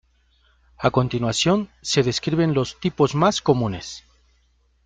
A continuación se describen los tipos más comunes.